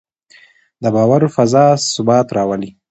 د باور فضا ثبات راولي